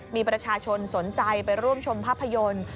มีประชาชนสนใจไปร่วมชมภาพยนตร์